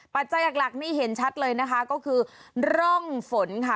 ปัจจัยหลักนี่เห็นชัดเลยนะคะก็คือร่องฝนค่ะ